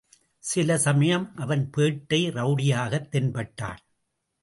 சில சமயம் அவன் பேட்டை ரவுடியாகத் தென்பட்டான்.